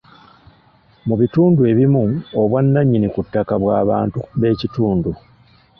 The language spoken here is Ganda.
Mu bitundu ebimu obwannanyini ku ttaka bwa bantu b'ekitundu.